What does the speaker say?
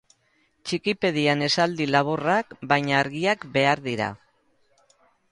Txikipedian esaldi laburrak baina argiak behar dira.